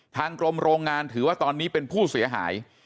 ทางกรมโรงงานถือว่าตอนนี้เป็นผู้เสียหาย